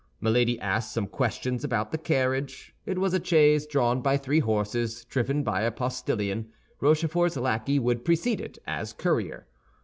Milady asked some questions about the carriage. It was a chaise drawn by three horses, driven by a postillion; Rochefort's lackey would precede it, as courier.